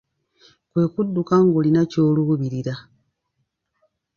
Kwe kudduka ng'olina ky’oluubirira.